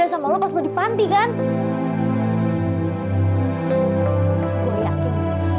saya masih masih